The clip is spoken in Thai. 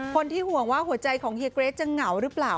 คนที่ห่วงว่าหัวใจของเฮียเกรทจะเหงาหรือเปล่า